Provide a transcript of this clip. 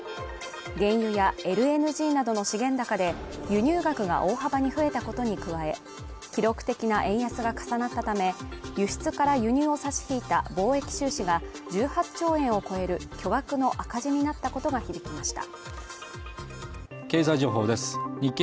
原油やＬＮＧなどの資源高で輸入額が大幅に増えたことに加え、記録的な円安が重なったため、輸出から輸入を差し引いた貿易収支が１８兆円を超える巨額の赤字になったことが響きました。